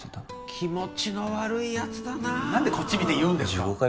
気持ちの悪い奴だなあ何でこっち見て言うんですか？